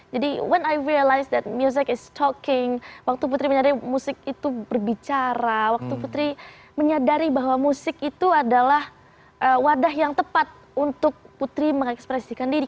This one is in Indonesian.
jadi ketika saya menyadari bahwa musik itu berbicara waktu putri menyadari bahwa musik itu berbicara waktu putri menyadari bahwa musik itu adalah wadah yang tepat untuk putri mengekspresikan diri